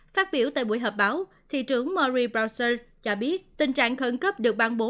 phát biểu tại buổi hợp báo thị trường mury brasser cho biết tình trạng khẩn cấp được ban bố